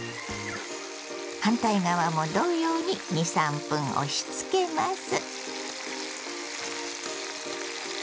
反対側も同様に２３分押しつけます。